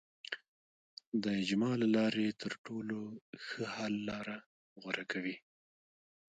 د اجماع له لارې تر ټولو ښه حل لاره غوره کوي.